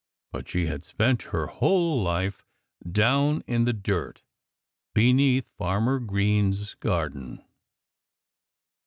But she had spent her whole life down in the dirt, beneath Farmer Green's garden.